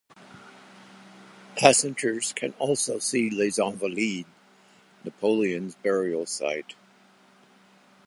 Passengers can also see Les Invalides, Napoleon's burial site.